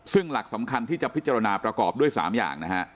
ซึ่งหลักสำคัญที่จะพิจารณาประกอบด้วย๓อย่างนะฮะ